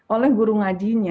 oleh guru ngajinya